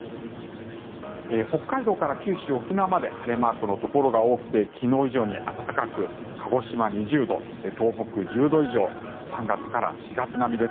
北海道から九州、沖縄まで晴れマークのところが多くて昨日以上に暖かく、鹿児島２０度東北１０度以上３月から４月並みです。